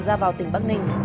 ra vào tỉnh bắc nguyên